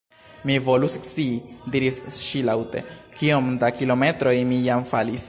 "Mi volus scii," diris ŝi laŭte, "kiom da kilometroj mi jam falis. »